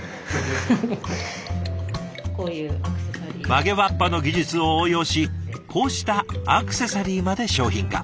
曲げわっぱの技術を応用しこうしたアクセサリーまで商品化。